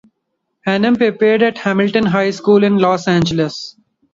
Hannum prepped at Hamilton High School in Los Angeles.